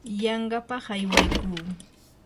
yanqapaq aywaykuu.